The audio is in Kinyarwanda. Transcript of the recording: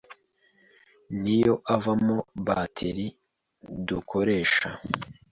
niyo avamo batterie dukoresha